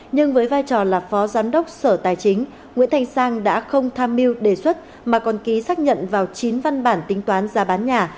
nhưng với vai trò là phó giám đốc sở tài chính nguyễn thành sang đã không tham mưu đề xuất mà còn ký xác nhận vào chín văn bản tính toán giá bán nhà